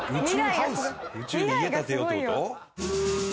宇宙に家建てようって事？